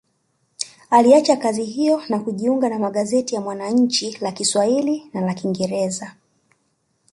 Aliacha kazi hiyo na kujiunga na magazeti ya Mwananchi la Kiswahili na kingereza